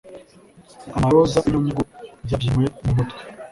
amaroza n'ibinyugunyugu byabyinnye mu mutwe.